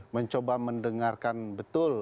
mencoba mendengarkan betul